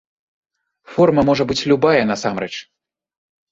Форма можа быць любая насамрэч.